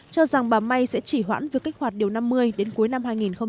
cho rằng bà may sẽ chỉ hoãn việc kích hoạt điều năm mươi đến cuối năm hai nghìn hai mươi